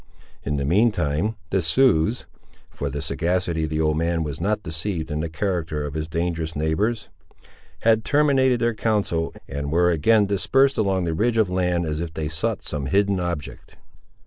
In the mean time, the Siouxes (for the sagacity of the old man was not deceived in the character of his dangerous neighbours) had terminated their council, and were again dispersed along the ridge of land as if they sought some hidden object.